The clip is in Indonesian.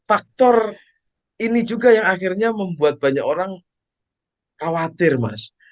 faktor ini juga yang akhirnya membuat banyak orang khawatir mas